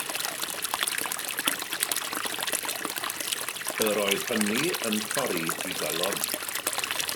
Yr oedd hynny yn torri ei galon.